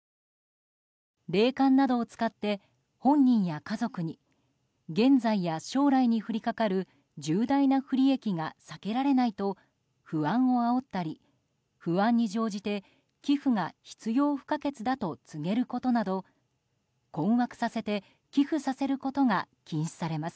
霊感などを使って本人や家族に現在や将来に降りかかる重大な不利益が避けられないと不安をあおったり不安に乗じて、寄付が必要不可欠だと告げることなど困惑させて寄付させることが禁止されます。